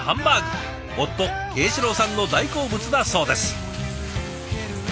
夫啓史郎さんの大好物だそうです。